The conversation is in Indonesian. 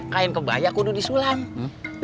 kain kebaya kudu disulang